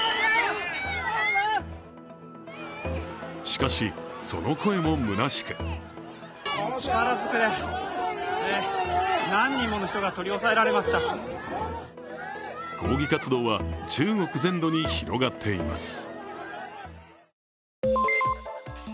しかし、その声もむなしく抗議活動は中国全土に広がっています。